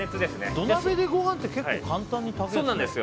土鍋でごはんって結構簡単に炊けるんだね。